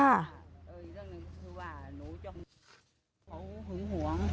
เขาหึงหวง